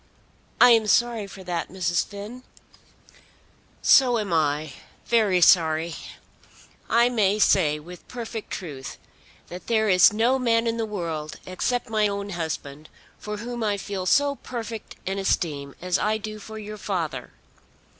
"I am sorry for that, Mrs. Finn." "So am I, very sorry. I may say with perfect truth that there is no man in the world, except my own husband, for whom I feel so perfect an esteem as I do for your father.